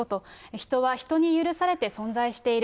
人は人に許されて存在している。